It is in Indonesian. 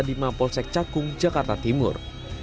di mampolsek cakung jakarta timur